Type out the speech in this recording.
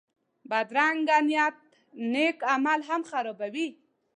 بدرنګه نیت نېک عمل هم خرابوي